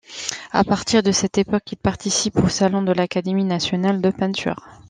À partir de cette époque, il participe aux Salons de l'Académie Nationale de Peinture.